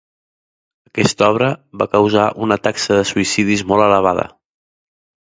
Aquesta obra va causar una taxa de suïcidis molt elevada.